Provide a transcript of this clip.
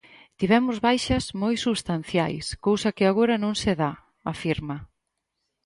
"Tivemos baixas moi substanciais, cousa que agora non se dá", afirma.